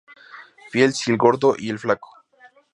Fields y El Gordo y el Flaco.